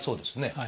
はい。